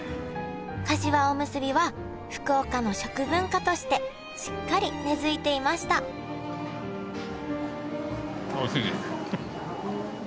かしわおむすびは福岡の食文化としてしっかり根づいていましたおいしいです！